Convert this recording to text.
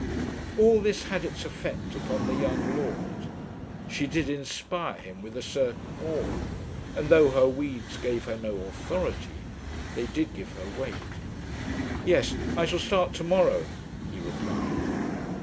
All this had its effect upon the young lord. She did inspire him with a certain awe; and though her weeds gave her no authority, they did give her weight. "Yes; I shall start to morrow," he replied.